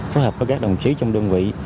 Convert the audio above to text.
phối hợp với các đồng chí trong đơn vị